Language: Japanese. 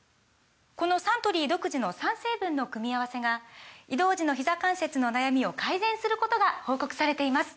このサントリー独自の３成分の組み合わせが移動時のひざ関節の悩みを改善することが報告されています